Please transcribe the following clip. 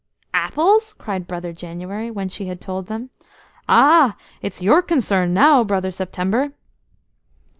"'Apples'!" cried Brother January, when she had told them. "Ah! it's your concern now, Brother September."